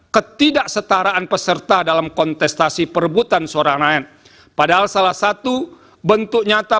ketidaksetaraan peserta dalam kontestasi perebutan seorang rakyat padahal salah satu bentuk nyata